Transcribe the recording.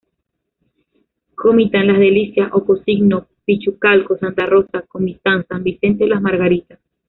Comitán, Las Delicias, Ocosingo, Pichucalco, Santa Rosa, Comitán, San Vicente, Las Margaritas.